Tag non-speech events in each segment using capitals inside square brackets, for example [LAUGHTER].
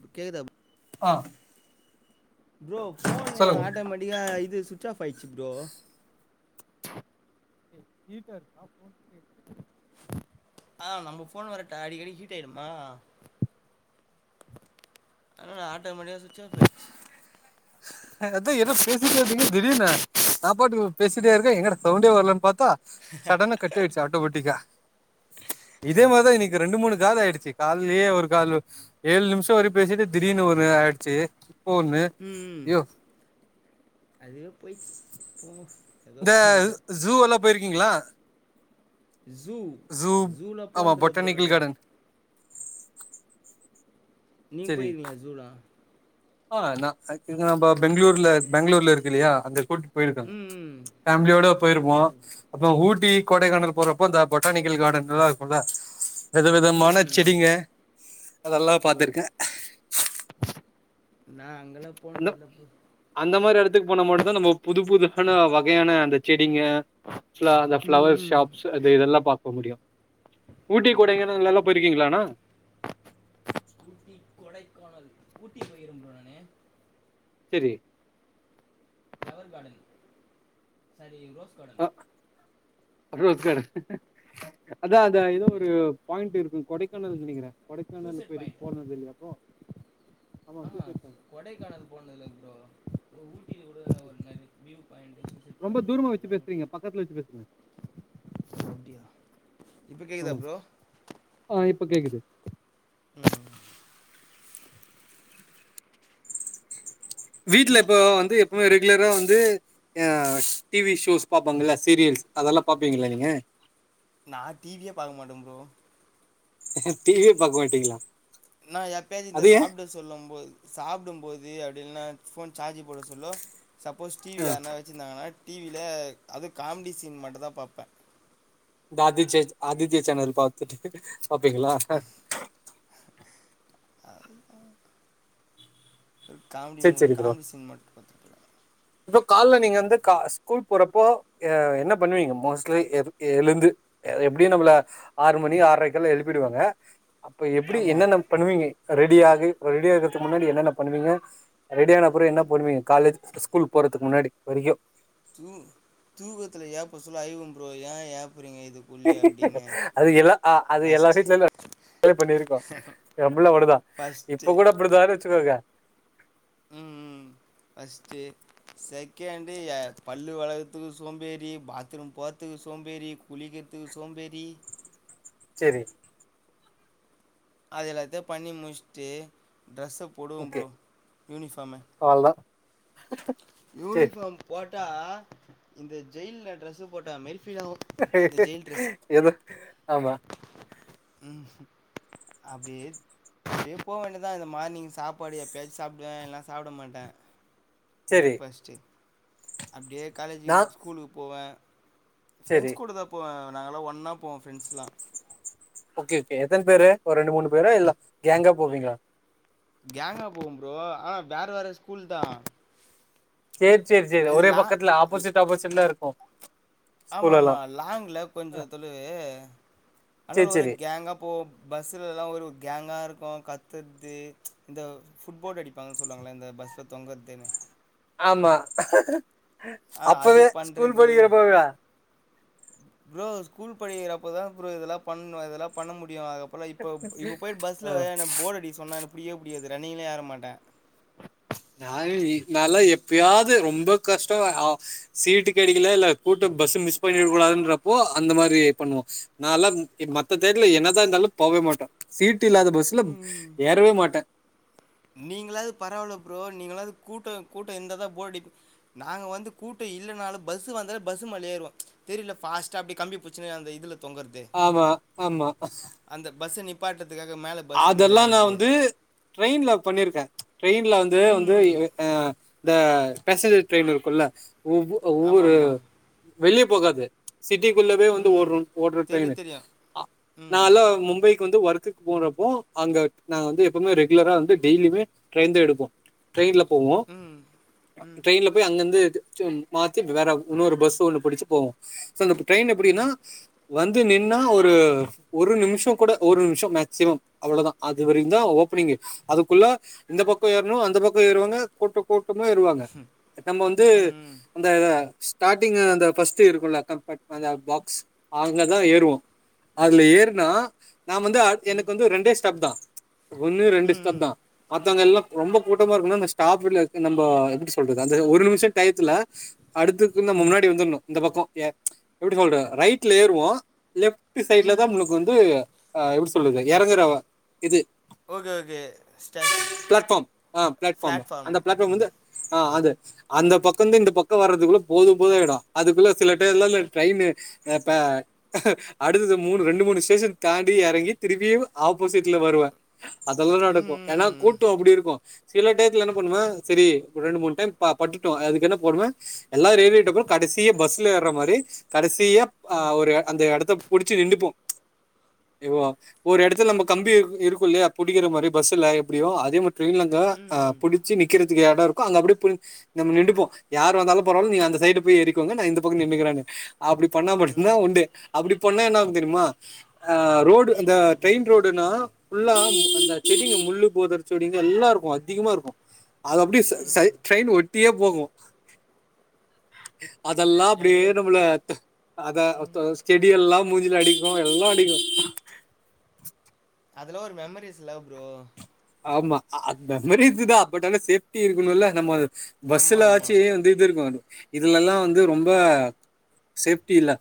இப்ப கேக்குதாப் ஆ ப்ரோ ஃபோனு சொல்லுங்க ஆட்டோமேட்டிக்கா இது சுச்சாஃப் ஆயிச்சி ப்ரோ ஹீட்டா இருக்கா ஃபோன்க்கு ஆ நம்ம ஃபோன் வரட்ட அடிக்கடி ஹீட் ஆயிடும்மா அதுனால ஆட்டோமேட்டிக்கா சுச்சாஃப் ஆயிடுச்சி அ அதா என்ன பேசிட்டே இருந்தீங்க திடீர்னு நாப்பாட்டுக்கு பேசிட்டே இருக்கே எங்கடா சவுண்டே வரலன் பாத்தா சடனா கட் ஆயிடுச்சி ஆட்டோமேட்டிக்கா இதே மாரிதா இன்னைக்கி ரெண்டு மூணு ஆயிடுச்சி கால்லியே ஒரு காலு ஏழு நிமிஷோ வரைக் பேசிட்டு திடீர்னு ஒணு ஆயிடுச்சி இப்ப ஒண்ணு உம் ஐயோ அதுவே போயிட்சி போனு இந்த ஜூவல்லா போயிருக்கீங்களா ஜூ ஜூ ஜூலா ஆமா போனதில்ல ப்ரோ பொட்டானிக்கல் நானு கார்டன் நீங்க சரி போயிருக்கீங்ளா ஜூலா ஆ நா அ இது நம்ப பெங்ளூர்ல பேங்ளூர்ல இருக்குல்லையா அங்க கூட்டு போயிருக்கே ம் ம். ஃபேம்லியோட போயிருப்போ ஓ அதோ ஊட்டி கொடைக்கானல் போறப்போந்த பொட்டானிக்கல் கார்டன் நல்லா இருக்குல்ல ம் வெதவிதமான ம், ம். செடிங்க அதெல்லா ஓ பாத்துருக்கே நா அங்கலா அந்த போனதில்ல ப்ரோ அந்த மாரி எடத்துக்கு போனா மட்டுதா நம்ம புது புது ஆன வகையான அந்த செடிங்க ஃபிளா அந்த ம் ஃபிளவர்ஸ் ம். ஷாப்ஸு அது இதெல்லா பாக்க முடியு ஊட்டி ஓ கொடைக்கானல்லல்லா போயிருக்கீங்களாணா ஊட்டி கொடைக்கானல் ஊட்டி போயிருக்கிறேம் ப்ரோ நானு செரி flower garden sorry rose garden அ ரோஸ் கார்டன் அதா அதா ஏதோ புரியல ஒரு பாயிண்ட்டிருக்கு கொடைக்கானல் நெனைக்கிறே கொடைக்கானல் சூசைட் பொயிருக் பாயிண்ட் போனதில்லையா அப்போ ஆமா ஆ சூசைட் பாயிண்ட் கொடைக்கானல் போனதில்ல ப்ரோ ப்ரோ ஊட்டியில கூடன ஒரு நரி வியூ பாயிண்டு சொ ரொம்ப தூரமா வச்சி பேசுறீங்க பக்கத்ல வச்சி பேசுங்க ஓ அப்டியா இப்ப கேக்குதா ஆமா ப்ரோ ஆ இப்ப கேக்குது ம் வீட்ல நீ இப்போ வந்து எப்பொமே ரெகுலரா வந்து ஆ டி வி ஷோஸ் பாப்பாங்கல்ல சீரியல்ஸ் அதல்லா பாப்பீங்களா நீங்க நா டி வி யே பாக்க மாட்டே ப்ரோ டி வி யே பாக்க மாட்டீங்களா நா எப்பயாச்சி இந்த அது ஏன்? சாப்டு சொல்லம் போது சாப்டும்போது அப்டில்லனா ஃபோன் சார்ஜி போடசுல்லோ சப்போஸ் டி வி அ யாருனா வச் சிந்தாங்கனா டி வி ல அது காமெடி சீன் மட்டுதா பாப்பே இந்த அதிச்சேச் ஆதித்யா சேனல் பாத்துட் பாப்பீங்களா அவ்ளதா கல் காமெடி சரி, மூவி சரி காமெடி சீன் மட்டு பாத்ருவே ப்ரோ கால்ல நீங்க வந்து க ஸ்கூல் போறப்போ அ என்ன பண்ணுவீங்க மோஸ்ட்லி எது எழுந்து எது எப்டியு நம்மள ஆறு மணி ஆற்ரைக்கலா எழுப்பிடுவாங்க அப்பொ எப்டி ஆமா என்னென்ன பண்ணுவீங்க ரெடி ஆகு ரெடி ஆகுறதுக்கு முன்னாடி என்னென்ன பண்ணுவீங்க ரெடி ஆன அப்றோ என்ன பொண்ணுவீங்க காலேஜ் ஸ்கூலுக் போறதுக்கு முன்னாடி வரைக்கு தூ தூக்கத்துல ஏப்ப சொல்ல ஐவம் ப்ரோ ஏ ஏப்புறிங்க இது அது எல்லா அது ஃபஸ்ட்டு எல்லாட்டயு சேந்து பண்ணிருக்கு எம்புள அப்டிதா ஃபஸ்ட்டு இப்ப கூட அப்படிதான் வெச்சுக்கோங்க ம் ஃபஸ்ட்டு செகண்டு பல்லு வெளக்கறத்துக்கு சோம்பேறி பாத்ரூம் போறத்துக்கு சோம்பேறி குளிகறத்துக் சோம்பேறி செரி அது எல்லாத்தையு பண்ணி முச்சுட்டு டிரஸ்ஸ போடுவம் ஓகே ப்ரோ யூனிஃபார்ம அவ்ளதான் சரி யூனிஃபார்ம் போட்டா இந்த ஜெயில்ல ட்ரெஸ்ஸ போட்டா மாரி ஃபீல் ஆகு இந்த ஜெயில் ட்ரெஸ்ஸு எதோ ஆமா ம் அப்டியே எப்போ வேண்டிதா இந்த மார்னிங் சாப்பாடு எப்பயாச்சு சாப்டுவ இல்னா சாப்பட மாட்ட சரி பிரேக் ஃபாஸ்ட்டு அப்டியே நான் காலேஜுக்கு ஸ்கூலுக்கு போவ சரி ஃப்ரெண்ட்ஸ் கூடதா போவ நாங்க எல்லா ஒன்னா போவோ ஃப்ரெண்ட்ஸ்லா ஓகே ஓகே எத்தன பேரு ஒரு ரெண்டு மூணு பேரா இல்ல கேங்கா போவிங்ளா கேங்கா போவ ப்ரோ ஆனா வேற வேற ஸ்கூல்தா சேர் சேர் சேர் ஒரே லா பக்கத்துல ஆப்போசிட் ஆப்போசிட்லா இருக்கு ஆமா ஆமா லாங்ல கொஞ்ச தொலுவு ஆனால சரி ஒரே சரி கேங்கா போவோ பஸ்ஸுலல்லா ஒரு கேங்கா இருக்கு கத்துறது இந்த ஃபுட்போடு அடிப் னு சொல்வாங்ளே இந்த பஸ்ல தொங்கறது ஆமா ஆ அது அப்பவே ஸ்கூல் பண்றது படிக்கிறப்பவேவா ப்ரோ ஸ்கூல் படிகிறப்பதா ப்ரோ இதெல்லா பண்ணு இதெல்லா பண்ண முடியு அதுக்கப் ற இப்போ இப்ப போயிட்டு ஆ பஸ்ல எனக்கு போர்ட அடிக்க சொன்னா எனக்கு புடிக்கவே புடிக்காது ரன்னிங்லயே ஏற மாட்ட நாங்ளு நாலா எப்பயாது ரொம்ப கஷ்ட அ சீட்டு கெடைக்ல இல்ல கூட்ட பஸ்ஸ மிஸ் பண்ணிட கூடாதுன்றப்போ அந்த மாரி பண்ணுவோ நால்லா மத்த தெர்ல என்னதா இருந்தாலு போகவே மாட்டோ சீட் இல்லாத பஸ்ல ஏறவே மாட்ட நீங்களாது பரவால ப்ரோ நீங்களாது கூட்ட கூட்ட இருந்தாதா போடடி நாங்க வந்து கூட்ட இல்லனாலு பஸ்ஸு வந்தாலே பஸ்ஸு மேல ஏறுவோ தெரில ஃபாஸ்ட்டா அப்டி கம்பி புடிச்சுனு அந்த இதுல தொங்கறது ஆமா ஆமா அந்த பஸ்ச நிப்பாட்டத்துக்காக மேல பஸ்ஸுக்கு மேல அதெல்லா நா ஏர்றது. வந்து ட்ரெயின்ல பண்ணிருக்கே ட்ரெயின்ல வந்து வந்து ம். ஆ இந்த பேசஞ்சர் ட்ரெயின் இருக்குல்ல ஒவ் ஒவ்வொரு ஆமாமா. வெளிய போகாது சிட்டிக்குள்ளவே வந்து ம். ஓடுற ஓடுற ட்ரெய்னு தெரியும், தெரியும். அ ம். நால்லா மும்பை க்கு வந்து ஒர்க்குக்கு போறப்போ அங்க நாங்க வந்து எப்பவுமே ரெகுலரா வந்து டெய்லிமே ட்ரெயின்தா எடுப்போ ட்ரெயின்ல போவோ ம். ம். ட்ரெயின்ல போய் அங்கருந்து மாத்தி வேற இன்னொரு பஸ் ஒண்ணு பிடிச்சு போவோ சோ இந்த ட்ரெயின் ம். எப்டின்னா வந்து நின்னா ஒரு ஒரு நிமிஷ கூட ஒரு நிமிஷ மேக்ஸிமம் அவ்ளதா அது வரைக்குந்தா ஓபனிங்கு அதுக்குள்ள இந்த பக்க ஏறனு அந்த பக் க ஏறுவாங்க கூட்ட கூட்டமா ஏறுவாங்க நம்ம வந்து ம். அந்த ஸ்டாட்டிங்கு அந்த ஃபஸ்ட் இருக்குல கம்பாட் அந்த பாக்ஸ் அதுலதா ஏறுவோ அதுல ஏறுனா நா வந்து ம். ம். எனக்கு வந்து ரெண்டே ஸ்டாப்தா ஒன்னு ரெண்டு ம். ஸ்டாப்தா மத்தவங்க எல்லா ரொம்ப கூட்டமா இருக்குன்னா அந்த ஸ்டாப்பிங்க்ல நம்போ எப்டி சொல்றது அந்த ஒரு நிமிஷ டயத்துல அடுத்துக் கொஞ்ச முன்னாடி வந்துர்ணு இந்த பக்க ஏ எப்டி சொல்ற ரைட்ல ஏறுவோ லெஃப்ட் டு சைட்ல தா உங்களுக்கு வந்து ஆ எப்டி சொல்றது எறங்குற வ இது ஓகே, ஓகே. ஸ்டேஷன். பிளாட்ஃபார்ம் ஆ பிளாட்ஃபார்ம் அந்த பிளாட்ஃபார்ம் வந்து ஆ அது அந்த பக்கந்து இந்த பக்க வர்றதுக்குள்ள போது ‌போது ஆயிடு அதுக்குள்ள சில பேர்லலா ட்ரெயினு ஆ இப்ப அடுத்தது மூணு ரெண்டு மூணு ஸ்டேஷன் தாண்டி எறங்கி திருப்பியும் ஆப் போசிட்ல வருவ அதெல்லா நடக்கு ஏன்னா ம். கூட்டோ அப்டி இருக்கு சில டயத்துல என்ன பண்ணுவே சரி ஒரு ரெண்டு மூணு டைம் ப பட்டுட்டோ அதுக்கு என்ன போண்ணுவேன் எல்லா ரெயில்வேட்டுக்கு கடைசிய பஸ்ல ஏற மாரி கடைசியா ஆ ம். ம். ஒரு அந்த எடத்த புடிச்சு நின்டுப்போ வ ஒரு எட்த்துல நம்ம கம்பி இருக் இருக்கு இல்லையா புடிக்கிற மாரி பஸ்ஸுல எப்டியு அதே மாரி ட்ரெயின்ஃல அங்க ஆ ம். ம். புடி ஸு நிக்கிறதுக்கு எட அங்க அபடியே இருக்கும் அங்க அப்படி நம்ம நின்டுபோம் யார் வந்தாலு பாரவால்ல நீங்க அந்த சைடக போய்ரிக்கோங்க நான் இந்த பக்கம் நின்னுக்கிறானு அப்டி பண்ணா ம். மட்டுந்தா உண்டு அப்டி பண்ணா என்ன ஆகுஞந தெரியுமா ஆ ரோடு அந்த ரோடுன்னா ஃபுல்லா அந்த செடிங்க முள்ளு பொதர் செடிலேருந்து எல்லா இருக்கு அதிகமா இருக்கு அது அப்டி சை ம். ட்ரெயின் ஒட்டியே போகு அதெல்லா அப்டியே எங்க நம்மள அத ம். த செடி எல்லா மூஞ்சுல அடிக்கு எல்லா அடிக்கு அதுலா ஒரு மெமரிஸ்ல்ல ப்ரோ ஆமா அந்த மாரி இதுதா பட் ஆனா சேஃப்டி இருக்கணுல்ல நம்ம ஆமா பஸ்ஸுல ஆமா ஆச்சு வந்து இது இருக்கு அது இதுலல்லா வந்து ரொம்ப சேஃப்டி இல்ல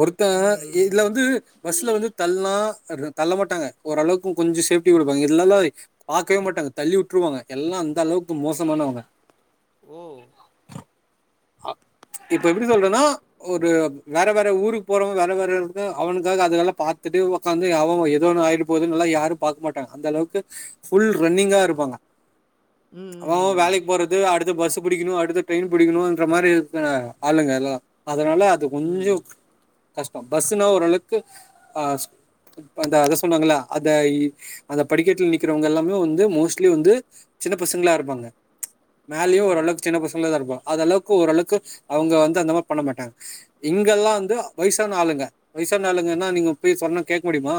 ஒருத்த ம் இதுல வந்து பஸ்ல வந்து தள்னா ரு தள்ள மாட்டாங்க ஓரளவுக்கும் கொஞ்ச சேஃப்டி குடுப்பாங்க இதுல்லல்லாய் பாக்கவே மாட்டாங்க தள்ளி விட்டுருவாங்க எல்லா அந்தளவுக்கு மோசமானவங்க ஓ ஆ இப்ப எப்டி சொல்றேன்னா ஒரு வேற வேற ஊருக்கு போறவங்க வேற வேற இருந்த அவனுக்காக அதுகல்லா பாத்துட்டு உக்காந்து அவ அவ எதோ ஒன்னு ஆயிட்டு போதுல்லா யாரும் பாக்க மாட்டாங்க அந்தளவுக்கு ஃபுல் ரன்னிங்கா இருப்பாங்க ம் அவ அவ ம் ம் வேலைக்கு போறது அடுத்து பஸ்ஸு புடிக்கணு அடுத்து ட்ரெயின் புடிக்கணுன்ற மாரி இந்த ஆளுங்க எல்லா அதனால அது கொஞ்ச ம் கஷ்ட பஸ்னா ஓரளவுக்கு ஆ அந்த அத சொன்னாங்களா அத அந்த படிக்கட்ல நி க்கிறவங்க எல்லாமே வந்து மோஸ்ட்லி வந்து சின்ன பசங்களா இருப்பாங்க மேலையு ஆமா ஓரளவுக் சின்ன பசங்களதா இருப்போ அந்தளவுக்கு ஓரளவுக்கு அவுங்க வந்து அந்த மாரி பண்ண மாட்டாங்க இங்கெல்லா வந்து வயசான ஆளுங்க வயசான ஆளுங்கன்னா நீங்க போய் சொன்னா கேக்க முடியுமா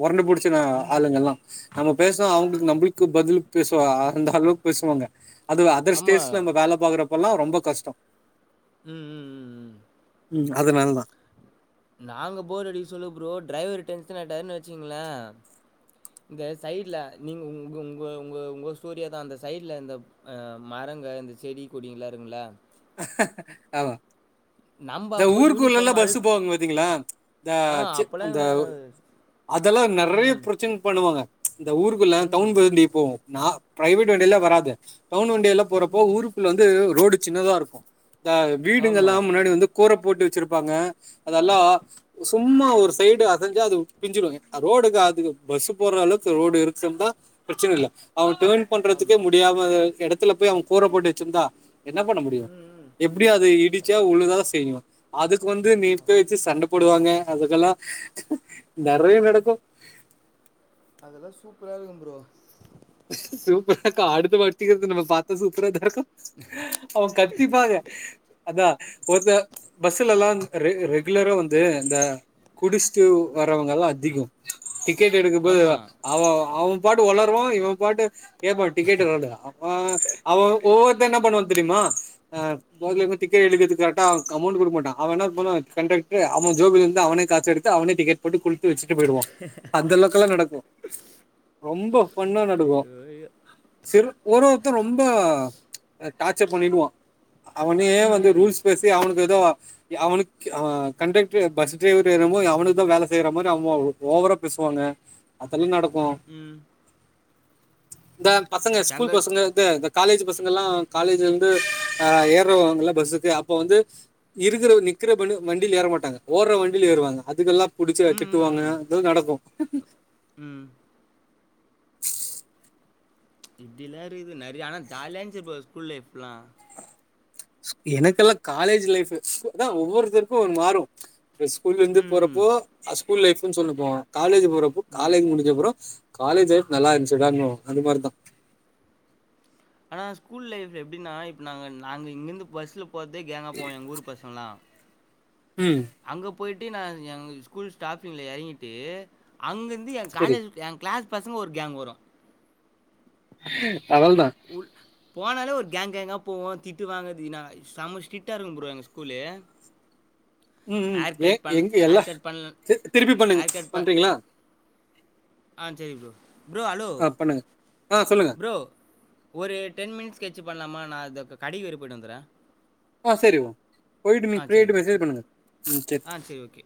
மொரண்டு புடிச்சன ஆளுங்கள்லா நம்ம பேசுனா அவுங்களுக்கு நம்பளுக்கு பதில் பேசுவா அந்தளவுக்கு பேசுவாங்க அது அதர் ஆமா ஸ்டேஸ்ல நம்ம வேல பாக்குறப்பல்லா ரொம்ப கஷ்டோ ம் ம் ம் ம் ம் அதனால தா நாங்க போர் அடிக்கசொல்ல ப்ரோ டிரைவர் டென்ஷனாயிட்டருன்னு வச்சீங்களே இந்த சைட்ல நீங்க உங்க உங்க உங்க உங்க ஸ்டோரியா தா அந்த சைட்ல இந்த ஆ மரங்க இந்த செடி கொடிங்கள்லா இருக்குல்ல ஆமா நம்ப இந்த அப்போ ஊருக்குள்ளல்லா யூனிஃபார்ம் பஸ்ஸு அழுக்கு போவு பாத்தீங்களா இந்த ஆ [UNINTELLIGIBLE] அப்பல்லா அந்த எங்கள அதெல்லா நெறைய ம் பிரச்சன பண்ணுவாங்க இந்த ஊருக்குள்ளா டவுன் ம் வண்டி போவு நா பிரைவேட் வண்டிலா வராது டவுன் வண்டியெல்லா ம் போறப்போ ம் ஊருக்குல வந்து ரோடு சின்னதா இருக்கு இந்த ஆமா வீடுங்கல்லா முன்னாடி வந்து கூர போட்டு வச்சிருப்பாங்க அதெல்லா சும்மா ஒரு சைடு அசஞ்சா அது [UNINTELLIGIBLE] ரோடுக்கு அதுக்கு பஸ்ஸு போற அளவுக்கு ரோடு இருக்கும்னா பிரச்சன இல்ல அவன் டென் பண்றதுக்கே ஆமா முடியாம எ எடத்துல போயி அவே கூர போட்டு வச்சிருந்தா என்ன பண்ண முடியு ம் ம் இப் முடியாது இடிச்சா ஒழுகதா செய்யு அதுக்கு வந்து நீ ஆ பேச்சு சண்ட போ போடுவாங்க அதுக்கல்லா நெறையா நடக்கு அதெல்லா சூப்பரா இருக்கு ப்ரோ சூப்பரா இக்கு அடுத்த மாட்டிக்கிறது நம்ம பாத்தா சூப்பராதா இக்கு அவே கத்திப்பாங்க அதா ஒருத்த பஸ்லல்லா ரெ ரெகுலரா வந்து இந்த குடிச்ட்டு வரவங்கல்லா அதிகோ டிக்கெட் எடுக்கும்போது ஆமா அவ அவம்பாட்டு ஒளருவா இவம்பாட்டு ஏம்ப்பா டிக்கெட் வந்துதா [UNINTELLIGIBLE] அவ ஒவ்வொருத்த என்ன பண்ணுவா தெரியுமா ஆ ம் [UNINTELLIGIBLE] குத்தி [UNINTELLIGIBLE] கேட்டா க அமௌண்ட்டு குடுக்கு மாட்டா அவ என்னா பண்ணுவா கண்டக்டரு அவ ஜோக்குல இருந்து அவனே காசு எடுத்து அவனே டிக்கெட் போட்டு [UNINTELLIGIBLE] வச்சிட்டு போயிடுவா அந்த அளவுக்குலா நடக்கு ரொம்போ பண்ணு [INAUDIBLE] அய்யோ அய்யோ ஒரொருத்த ரொம்ப டார்ச்சர் பண்ணிடுவா அவனே ம் வந்து ம் ரூல்ஸ் பேசி அவனுக்கு ஏதோ அவனுக்கு ஆ கண்டக்ட்ரு பஸ்ஸு டிரைவரு என்னவோ அவனுக்தா வேல செய்ற மாரி [UNINTELLIGIBLE] ஓவரா பேசுவாங்க அதெல்லா நடக்கு ம் த பசங்க ஸ்கூல் எங்கள் பசங்க த த காலேஜ்ஜு பசங்கல்லா காலேஜ்ல இருந்து ஆ ஏறுவாங்கல்ல பஸ்ஸுக்கு அப்ப வந்து இருக்குற வ நிக்குற பண் வண்டியில ஏற மாட்டாங்க ஓடுற வண்டியில ஏறுவாங்க அதுக்கெல்லா புடிச்ச ம் ம் திட்டுவாங்க ம் அது நடக்கு ம் இப்டில்லா இருக்குது நெறையா ஆனா ஜாலியா இருன்ச்சி ப்ரோ ஸ்கூல் லைஃப்லா ஸ் எனக்கெல்லா காலேஜ் லைஃபு ஸ் அதா ஒவ்வொருத்தருக்கு ஒன்னு மாறு ஸ்கூல்ல இருந்து ம் ம் போறப்போ அ ஸ்கூல் லைஃப்னு சொல்லிப்போ காலேஜ் போறப்போ ம் காலேஜ் முடிஞ்சப்றோ காலேஜ் லைஃப் நல்லா இருந்துச்சிடானுவோ அது மாரிதா ஆனா ஸ்கூல் லைஃபு எப்டின்னா இப்போ நாங்க நாங்க இங்கேருந்து பஸ்ல போறதே கேங்கா போவோ எங்க ஊரு பசங்களா ம் அங்க போயிட்டு நா எங்க ஸ்கூல் ஸ்டாஃபிங்க்ள எறங்கிட்டு அங்கருந்து என் சரி காலேஜு என் கிளாஸ் பசங்க ஒரு கேங் வரு அவள்தா [UNINTELLIGIBLE] போனாலே ஒரு கேங்க் கேங்கா போவோ திட்டு வாங்கற்து [UNINTELLIGIBLE] சம ஸ்ரிட்டா இருக்கு ப்ரோ எங்க ஸ்கூலு ம ம் ஹேர் ஏ கட் பண் எங்க எல்லா ஹேர் கட் பண்ணல திருப்பி பண்ணுங்க ஹேர் கட் ப பண்றீங்களா ஆ சேரி ப்ரோ ப்ரோ ஹலோ ஆ பண்ணுங்க ஆ சொல்லுங்க ப்ரோ ஒரு டென் மினிட்ஸ் கழிச்சு பண்லாமா நா அது கடிக்கு வற பெயிட்டு வந்துற ஆ சேரி வா பெய்ட்டு ஆ சரி ஃப்ரீயாயிட்டு ப்ரோ மெசேஜ் பண்ணுங்க ம் செரி ஆ சரி ஓகே